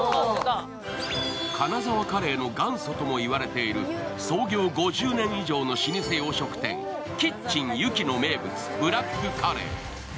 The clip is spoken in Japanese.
金沢カレーの元祖ともいわれている創業５０年以上の老舗洋食店、キッチンユキの名物、ブラックカレー。